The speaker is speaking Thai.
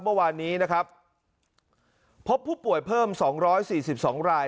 เมื่อวานนี้นะครับพบผู้ป่วยเพิ่ม๒๔๒ราย